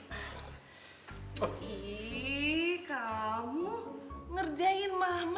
ih kamu ngerjain mama